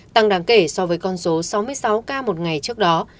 tăng đáng kể so với con số sáu mươi sáu ca một ngày trước đó